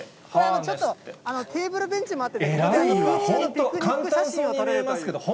ちょっとテーブルベンチもあって。